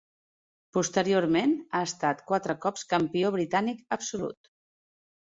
Posteriorment, ha estat quatre cops Campió britànic absolut.